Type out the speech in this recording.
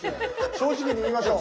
正直に言いましょう。